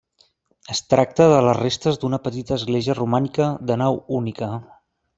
Es tracta de les restes d'una petita església romànica, de nau única.